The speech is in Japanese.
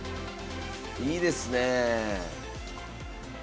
いいですねえ。